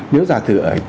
nếu giả thử ở